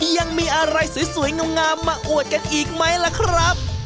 ยังมีอะไรสวยงามมาอวดกันอีกไหมล่ะครับ